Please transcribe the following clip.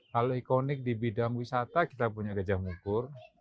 kalau ikonik di bidang wisata kita punya gejah mukur